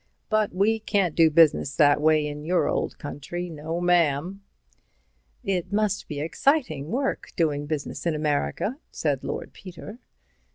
But we can't do business that way in your old country; no, ma'am." "It must be exciting work doing business in America," said Lord Peter.